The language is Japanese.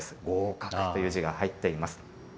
合格という字が入っています。